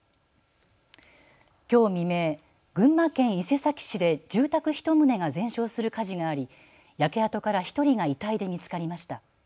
きょう未明、群馬県伊勢崎市で住宅１棟が全焼する火事があり焼け跡から１人が遺体で見つかりました。